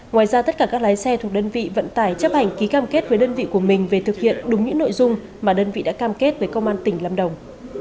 ngoài ra tất cả các lái xe thuộc đơn vị vận tải chấp hành ký cam kết với đơn vị của mình về thực hiện đúng những nội dung mà đơn vị đã cam kết với công an tỉnh lâm đồng